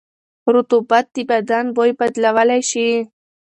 رطوبت د بدن بوی بدلولی شي.